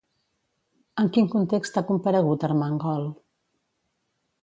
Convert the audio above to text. En quin context ha comparegut Armengol?